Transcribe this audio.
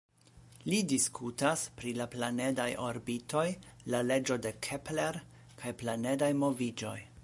Li diskutas pri la planedaj orbitoj, la leĝo de Kepler kaj planedaj moviĝoj.